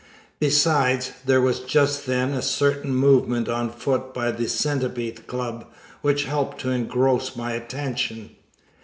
Besides, there was just then a certain movement on foot by the Centipede Club which helped to engross my attention.